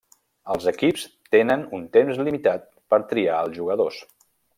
Els equips tenen un temps limitat per triar als jugadors.